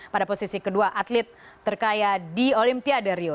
pada posisi kedua atlet terkaya di olimpiade rio